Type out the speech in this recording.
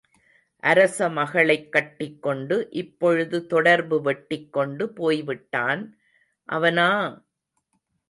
அரசமகளைக் கட்டிக்கொண்டு இப்பொழுது தொடர்பு வெட்டிக்கொண்டு போய்விட்டான் அவனா!